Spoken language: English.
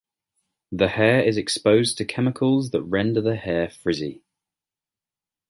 The hair is exposed to chemicals that render the hair frizzy.